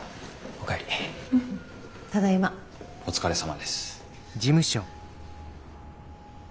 お疲れさまです。